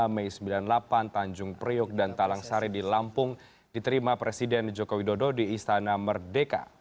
mei sembilan puluh delapan tanjung priok dan talang sari di lampung diterima presiden joko widodo di istana merdeka